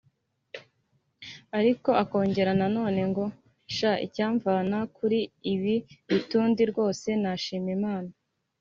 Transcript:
Ariko akongera nanone ngo ‘sha icyamvana kuri ibi bitundi rwose nashima Imana’